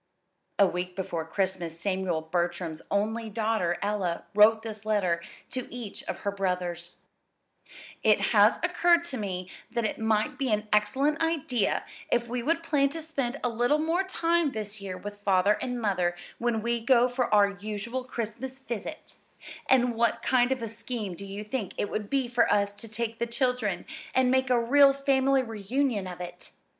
A week before Christmas Samuel Bertram's only daughter, Ella, wrote this letter to each of her brothers: It has occurred to me that it might be an excellent idea if we would plan to spend a little more time this year with Father and Mother when we go for our usual Christmas visit; and what kind of a scheme do you think it would be for us to take the children, and make a real family reunion of it?